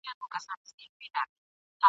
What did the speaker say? د کلونو مسافر یم د ښکاریانو له شامته ..